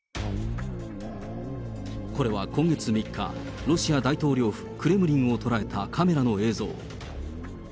これは今月３日、ロシア大統領府、クレムリンを捉えたカメラの映像。